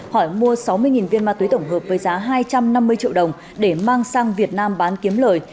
hỏi mua sáu mươi viên ma túy tổng hợp với giá hai trăm năm mươi triệu đồng để mang sang việt nam bán kiếm lời